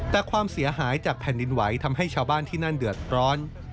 แต่ความเสียหายจากแผ่นดินไหวทำให้ชาวบ้านที่นั่นเดือดร้อน